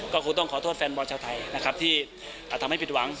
ก็คงต้องขอโทษแฟนบอลชาวไทยนะครับที่ทำให้ผิดหวัง